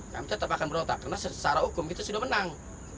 kami tetap akan berotak karena secara hukum kita sudah menang